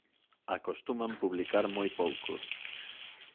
Acostuman publicar moi pouco.